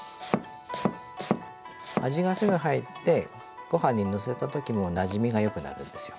味がすぐ入ってご飯にのせた時もなじみがよくなるんですよ。